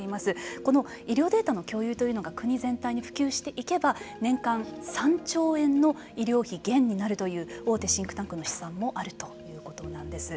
この医療データの共有というのが国全体に普及していけば年間３兆円の医療費減になるという大手シンクタンクの試算もあるということなんです。